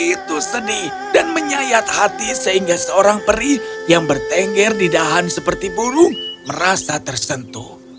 itu sedih dan menyayat hati sehingga seorang perih yang bertengger di dahan seperti burung merasa tersentuh